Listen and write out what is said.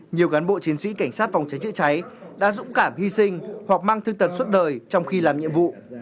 nhiều cán bộ chiến sĩ cảnh sát phòng cháy chữa cháy đã dũng cảm hy sinh hoặc mang thương tật suốt đời trong khi làm nhiệm vụ